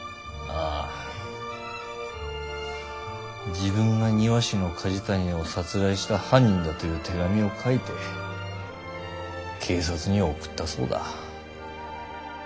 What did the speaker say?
自分が庭師の梶谷を殺害した犯人だという手紙を書いて警察に送ったそうだ。